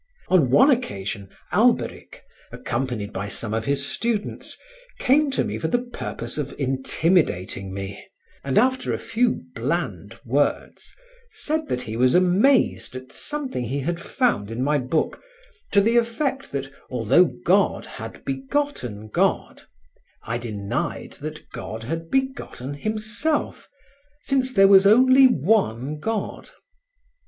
On one occasion Alberic, accompanied by some of his students, came to me for the purpose of intimidating me, and, after a few bland words, said that he was amazed at something he had found in my book, to the effect that, although God had begotten God, I denied that God had begotten Himself, since there was only one God.